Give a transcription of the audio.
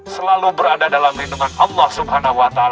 selalu berada dalam lindungan allah swt